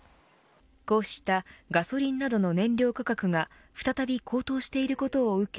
こうしたガソリンなどの燃料価格が再び高騰していることを受け